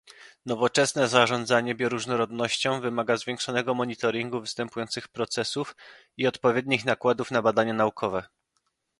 Nowoczesne zarządzanie bioróżnorodnością wymaga zwiększonego monitoringu występujących procesów i odpowiednich nakładów na badania naukowe